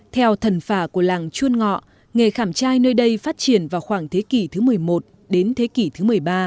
theo thần phả của làng chuôn ngọ nghề khảm trai nơi đây phát triển vào khoảng thế kỷ thứ một mươi một đến thế kỷ thứ một mươi ba